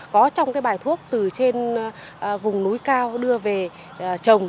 có trong cái bài thuốc từ trên vùng núi cao đưa về trồng